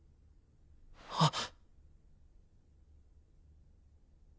あっ。